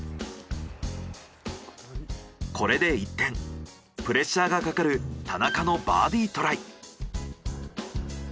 これで一転プレッシャーがかかる田中のバーディトライ。